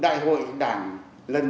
và tuyên bố mỹ